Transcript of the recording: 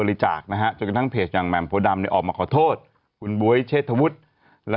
นี่เขาเป็นแบบว่า